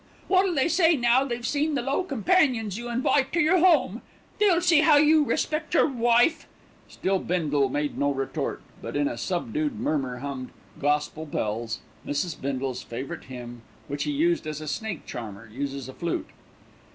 What'll they say now they've seen the low companions you invite to your home? They'll see how you respect your wife." Still Bindle made no retort; but in a subdued murmur hummed "Gospel Bells," Mrs. Bindle's favourite hymn, which he used as a snake charmer uses a flute.